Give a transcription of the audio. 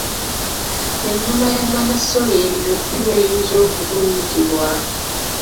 Engoma ya Namasole eyo ddi ly’eyinza okuvuunikibwa?